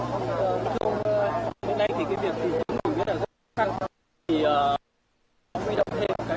thưa ông ơi hôm nay thì cái việc tìm kiếm của mình rất là khó khăn